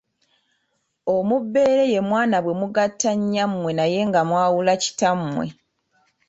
Omubbeere ye mwana bwe mugatta nnyammwe naye nga mwawula kitammwe.